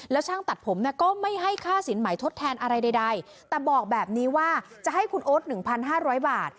แล้วช่างตัดผมเนี่ยก็ไม่ให้ค่าสินใหม่ทดแทนอะไรใดแต่บอกแบบนี้ว่าจะให้คุณโอ๊ต๑๕๐๐บาท